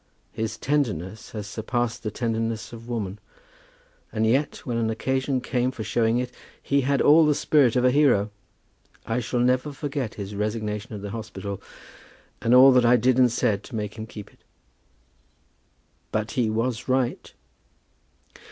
His tenderness has surpassed the tenderness of woman; and yet, when an occasion came for showing it, he had all the spirit of a hero. I shall never forget his resignation of the hospital, and all that I did and said to make him keep it." "But he was right?"